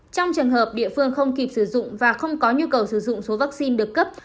trong trường hợp địa phương không kịp sử dụng và không có nhu cầu sử dụng số vaccine được cấp